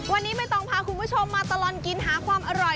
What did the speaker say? วันนี้ไม่ต้องพาคุณผู้ชมมาตลอดกินหาความอร่อย